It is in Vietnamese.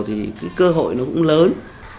thì cái cơ hội nó cũng lớn